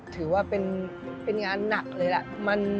ถือว่าเป็นงานหนักเลยแหละ